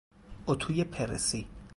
اتوی پرسی